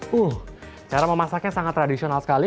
wuh cara memasaknya sangat tradisional sekali